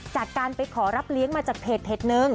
จากการไปขอรับเลี้ยงมาจากเพจนึง